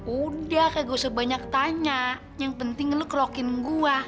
udah kayak gue usah banyak tanya yang penting lo kelokin gue